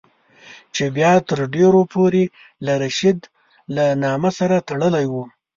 چې بیا تر ډېرو پورې له رشید له نامه سره تړلی وو.